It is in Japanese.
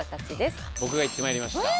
僕が行ってまいりました。